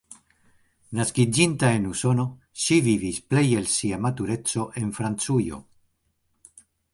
Naskiĝinta en Usono, ŝi vivis plej el sia matureco en Francujo.